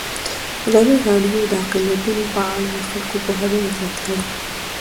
ازادي راډیو د اقلیتونه په اړه د خلکو پوهاوی زیات کړی.